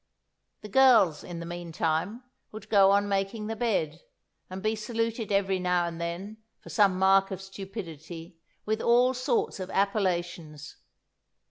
The girls, in the meantime, would go on making the bed, and be saluted every now and then, for some mark of stupidity, with all sorts of appellations.